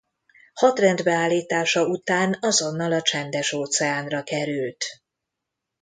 Hadrendbe állítása után azonnal a Csendes-óceánra került.